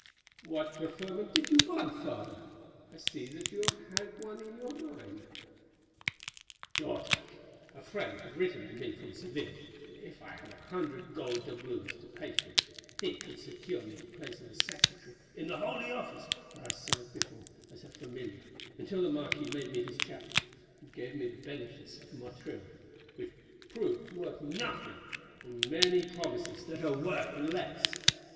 "What preferment did you want, Father? I see that you have one in your mind." "Daughter, a friend had written to me from Seville that if I have a hundred gold doubloons to pay for it, he can secure me the place of a secretary in the Holy Office where I served before as a familiar until the marquis made me his chaplain, and gave the benefice of Motril, which proved worth nothing, and many promises that are worth less.